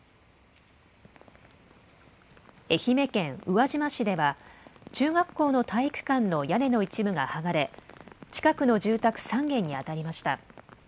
愛媛県宇和島市では、中学校の体育館の屋根の一部が剥がれ、近くの住宅３軒に当たりました。